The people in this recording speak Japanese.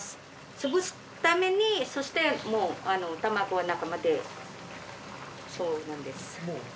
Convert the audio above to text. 潰すためにそして卵の中までそうなんです。